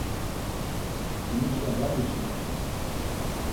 Mtinişen va miçkit̆u.